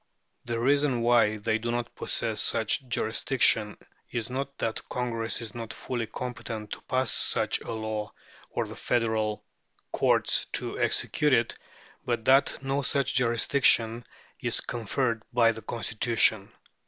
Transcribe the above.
The reason why they do not possess such jurisdiction is not that Congress is not fully competent to pass such a law or the federal courts to execute it, but that no such jurisdiction is conferred by the Constitution.